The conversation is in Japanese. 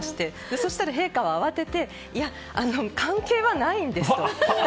そうしたら陛下は慌てて関係はないんですと。